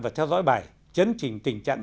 và theo dõi bài chấn trình tình trạng